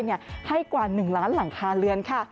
ให้กว่า๑ล้านหลังคาเรือนค่ะ